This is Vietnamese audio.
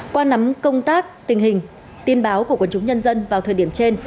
qua nắm công tác tình hình tin báo của quân chúng nhân dân vào thời điểm trên